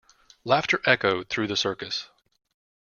Laughter echoed through the circus.